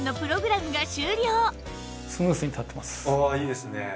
ああいいですね。